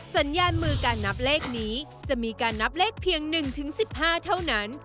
สัญญามือการนับเลขนี้จะมีการนับเลขเพียงหนึ่งถึงสิบห้าเท่านั้น